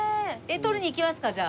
取りに行きますかじゃあ。